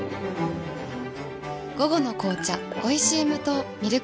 午後の紅茶おいしい無糖ミルクティー